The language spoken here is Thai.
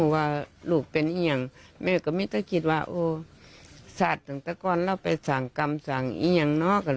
ว่าลูกเป็นเอี่ยงแม่ก็มีแต่คิดว่าโอ้สัตว์ตั้งแต่ก่อนเราไปสั่งกรรมสั่งเอี่ยงเนาะ